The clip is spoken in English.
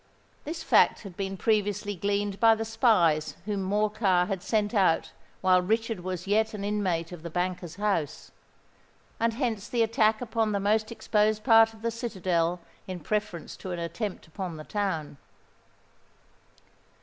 This fact had been previously gleaned by the spies whom Morcar had sent out while Richard was yet an inmate of the banker's house; and hence the attack upon the most exposed part of the citadel in preference to an attempt upon the town.